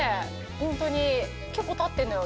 ホントに結構たってんのよ